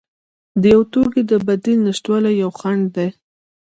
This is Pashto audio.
د یو توکي د بدیل نشتوالی یو خنډ دی.